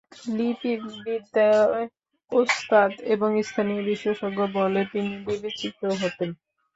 লিপি বিদ্যায় উস্তাদ এবং স্থানীয় বিশেষজ্ঞ বলে তিনি বিবেচিত হতেন।